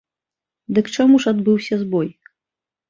Дык чаму ж адбыўся збой?